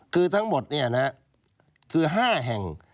คือทั้งหมดนี่นะครับคือ๕แห่ง